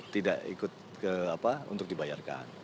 tidak ikut untuk dibayarkan